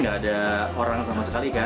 nggak ada orang sama sebagainya